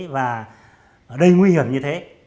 và ở đây nguy hiểm như thế